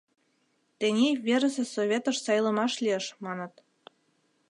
Тений Верысе Советыш сайлымаш лиеш, маныт.